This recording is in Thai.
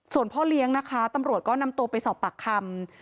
ส่วนพ่อเลี้ยงนะคะตำรวจก็นำตัวไปสอบปากคำ